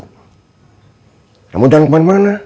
kamu jangan kemana mana